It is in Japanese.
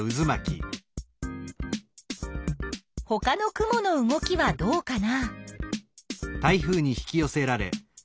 ほかの雲の動きはどうかな？